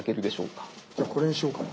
じゃあこれにしようかな。